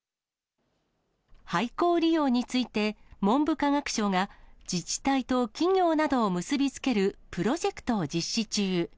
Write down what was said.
廃校利用について、文部科学省が、自治体と企業などを結び付けるプロジェクトを実施中。